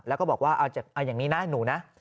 แล้วก็บอกว่าเอาอย่างนี้นะหนูนะ